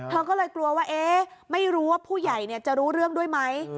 เธอก็เลยกลัวว่าไม่รู้ว่าผู้ใหญ่จะรู้เรื่องด้วยไหม